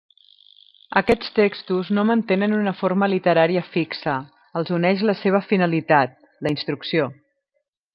Aquests textos no mantenen una forma literària fixa, els uneix la seva finalitat: la instrucció.